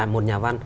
một nhà văn